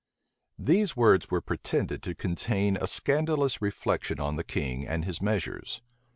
These words were pretended to contain a scandalous reflection on the king and his measures.